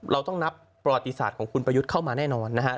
เราต้องนับประวัติศาสตร์ของคุณประยุทธ์เข้ามาแน่นอนนะฮะ